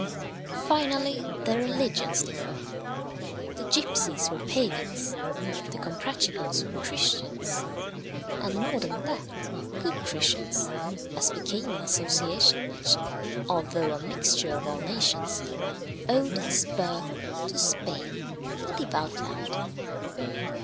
Finally, their religions differ the gipsies were Pagans, the Comprachicos were Christians, and more than that, good Christians, as became an association which, although a mixture of all nations, owed its birth to Spain, a devout land.